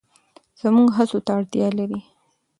زموږ هڅو ته اړتیا لري.